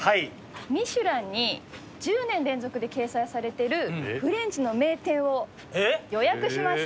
『ミシュラン』に１０年連続で掲載されてるフレンチの名店を予約しました。